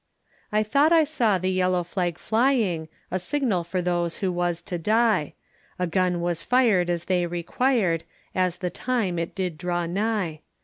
I thought I saw the yellow flag flying, A signal for those who was to die; A gun was fired as they required, As the time it did draw nigh.